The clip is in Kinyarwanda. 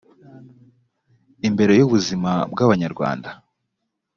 imbere ubuzima bw abanyarwanda